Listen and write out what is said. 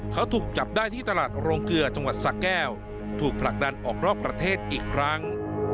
เขาถูกจับได้ที่ตลาดโรงเกลือจังหวัดสะแก้วถูกผลักดันออกนอกประเทศอีกครั้ง